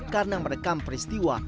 karena merekam peristiwa